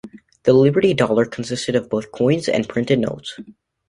The Liberty Dollar consisted of both coins and printed notes.